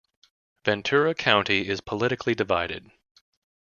Ventura County is politically divided.